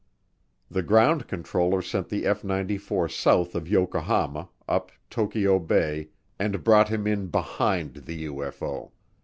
The ground controller sent the F 94 south of Yokohama, up Tokyo Bay, and brought him in "behind" the UFO.